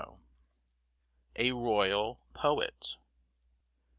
A ROYAL POET.